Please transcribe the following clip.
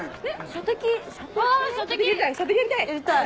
射的やりたい。